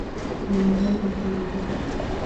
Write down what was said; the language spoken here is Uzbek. Ramazon aytimlari